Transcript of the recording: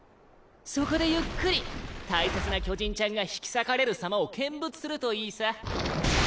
そこでゆっくり大切な巨人ちゃんが引き裂かれるさまを見物するといいさ。